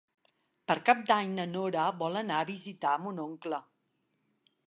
Per Cap d'Any na Nora vol anar a visitar mon oncle.